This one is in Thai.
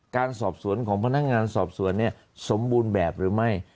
การสอบสวนของพนักงานสอบสวนเนี่ยสมบูรณ์แบบหรือไม่